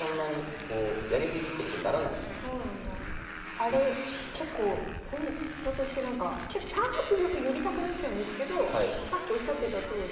あれ結構ポイントとしてなんか結構３八玉寄りたくなっちゃうんですけどさっきおっしゃってたとおり。